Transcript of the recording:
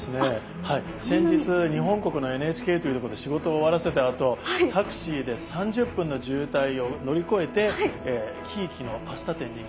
先日日本国のＮＨＫというとこで仕事を終わらせたあとタクシーで３０分の渋滞を乗り越えてひいきのパスタ店に行きました。